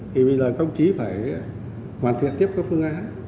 thì bây giờ các công chí phải hoàn thiện tiếp các phương án